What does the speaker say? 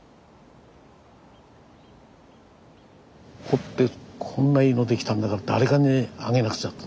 掘ってこんないいの出来たんだから誰かにあげなくっちゃって。